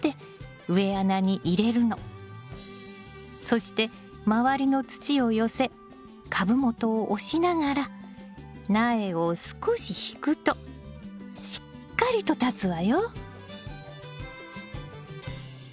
そして周りの土を寄せ株元を押しながら苗を少し引くとしっかりと立つわよ。